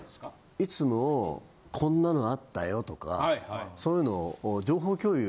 いつもこんなのあったよとかそういうのを。